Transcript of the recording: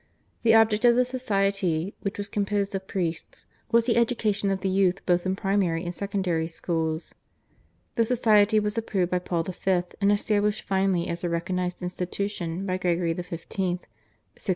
The object of the society, which was composed of priests, was the education of the young both in primary and secondary schools. The society was approved by Paul V., and established finally as a recognised institution by Gregory XV.